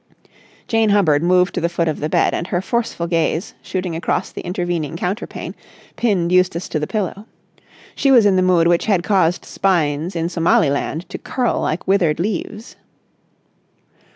Jane Hubbard moved to the foot of the bed, and her forceful gaze, shooting across the intervening counterpane, pinned Eustace to the pillow. She was in the mood which had caused spines in Somaliland to curl like withered leaves.